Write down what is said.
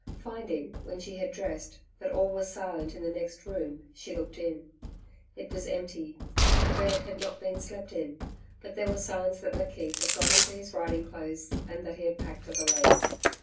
Finding, when she had dressed, that all was silent in the next room, she looked in. It was empty, the bed had not been slept in, but there were signs that McKeith had got into his riding clothes and that he had packed a valise.